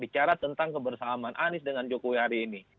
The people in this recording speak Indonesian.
bicara tentang kebersamaan anies dengan jokowi hari ini